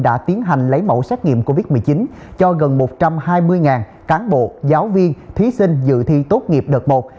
đã tiến hành lấy mẫu xét nghiệm covid một mươi chín cho gần một trăm hai mươi cán bộ giáo viên thí sinh dự thi tốt nghiệp đợt một